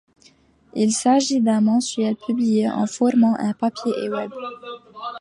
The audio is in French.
Il s'agit d'un mensuel publié en format papier et Web.